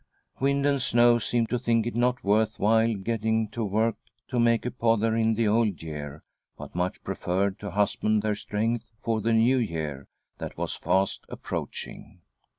Wind and snow seemed to think it not worth while eetting to work to make a pother in the Old' Year, but much preferred to husband their strength for the New Year that was fast approaching.